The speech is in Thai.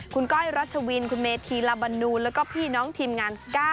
คุณก้อยรัชวินคุณเมธีลาบันนูนแล้วก็พี่น้องทีมงาน๙